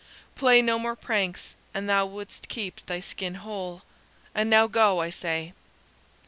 Play no more pranks an thou wouldst keep thy skin whole. And now go, I say!"